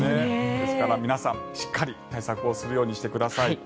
ですから、皆さんしっかり対策をするようにしてください。